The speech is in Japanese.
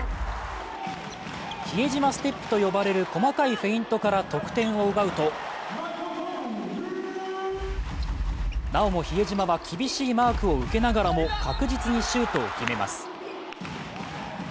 比江島ステップと呼ばれる細かいフェイントから得点を奪うと、なおも比江島は厳しいマークを受けながらも確実にシュートを決めます。